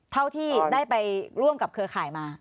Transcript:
เท่าที่ได้ไปร่วมกับเครือข่ายมา